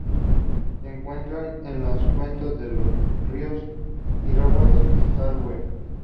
Se encuentran en las cuencas de los ríos Irrawaddy y Salween.